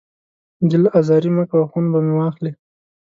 دل ازاري مه کوه، خون به مې واخلې